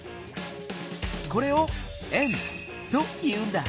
これを「円」と言うんだ。